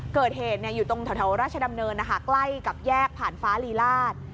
เกิดเหตุอยู่ตรงแถวราชดำเนินนะคะใกล้กับแยกผ่านฟ้าลีลาศ